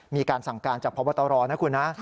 มีการสั่งการจากพบตรนะคุณนะ